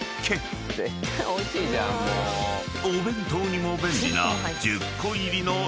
［お弁当にも便利な］